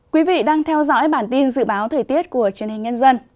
quý vị đang theo dõi bản tin dự báo thời tiết của truyền hình nhân dân